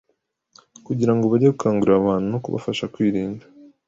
kugira ngo bajye gukangurira abantu no kubafasha kwirinda